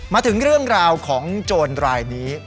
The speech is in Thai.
มาถึงเรื่องราวของโจรรายนี้